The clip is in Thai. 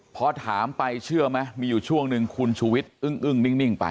พอถามไปเชื่อไหมมีอยู่ช่วงหนึ่งคุณชูวิทย์อึ้งนิ่งไป